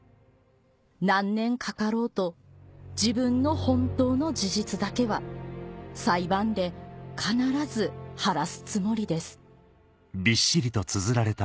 「何年かかろうと自分の本当の事実だけは裁判で必ず晴らす積りです」